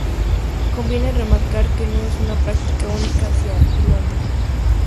Conviene remarcar que no es una práctica única hacia el hombre.